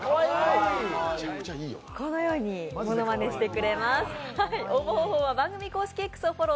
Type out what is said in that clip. このようにモノマネしてくれます。